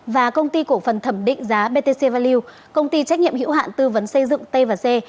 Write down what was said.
và công ty cổ phần thẩm định giá btc value công ty trách nhiệm hiệu hạn tư vấn xây dựng tây và xê